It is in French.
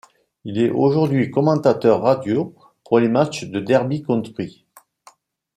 Il est aujourd'hui commentateur radio pour les matchs de Derby County.